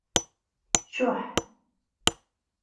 Cuḥ.